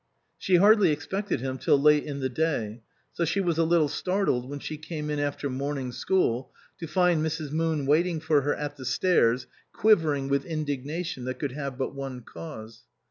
She hardly expected him till late in the day ; so she was a little startled, when she came in after morning school, to find Mrs. Moon waiting for her at the stairs, quivering with indignation that could have but one cause.